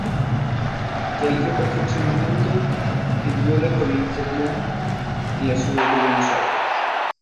Realizó perfeccionamiento en viola con Ernesto Blum en la ciudad de Buenos Aires.